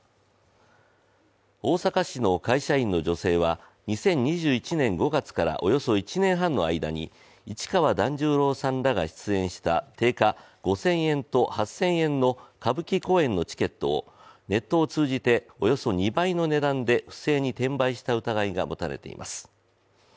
大阪市の会社員の女性は２０２１年５月からおよそ１年半の間に市川團十郎さんらが出演した定価５０００円と８０００円の歌舞伎公演のチケットをネットを通じておよそ２倍の値段で不正に転売した疑いが持たれています。